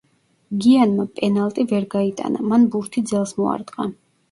გიანმა პენალტი ვერ გაიტანა, მან ბურთი ძელს მოარტყა.